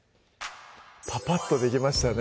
パパッとできましたね